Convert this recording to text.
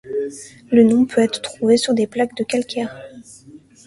Le nom peut être trouvé sur des plaques de calcaire.